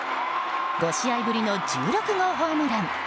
５試合ぶりの１６号ホームラン。